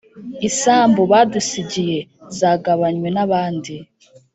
isambu badusigiye zagabanywe n'abandi